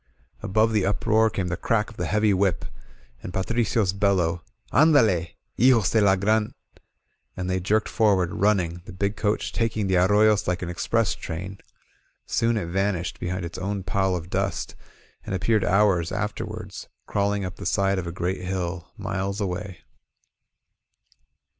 Above the uproar came the crack of the heavy whip, and Patricio's bel low: ''Anddlet hijos de la Gran* Ch /" and they jerked forward, running, the big coach taking the ar royos like an express train. Soon it vanished behind 44 LA TROPA ON THE MARCH its own pall of dust, and appeared hours afterward, crawling up the side of a great hill, miles away.